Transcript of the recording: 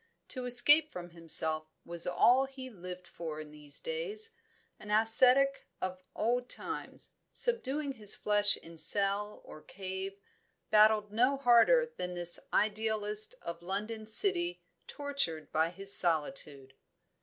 To escape from himself was all he lived for in these days. An ascetic of old times, subduing his flesh in cell or cave, battled no harder than this idealist of London City tortured by his solitude.